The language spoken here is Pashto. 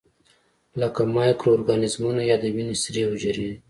لکه مایکرو ارګانیزمونه یا د وینې سرې حجرې.